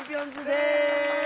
「です！」。